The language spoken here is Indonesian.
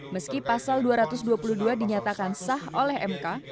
meski pasal dua ratus dua puluh dua dinyatakan sah oleh mk